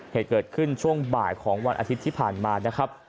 เหตุเกิดขึ้นช่วงบ่ายของวันอาทิตย์ที่ผ่านมานะครับ